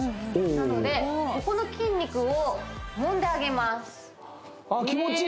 なのでここの筋肉をもんであげますああ